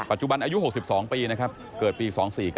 จุบันอายุ๖๒ปีนะครับเกิดปี๒๔๙